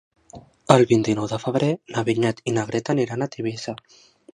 El vint-i-nou de febrer na Vinyet i na Greta aniran a Tivissa.